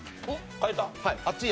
変えた？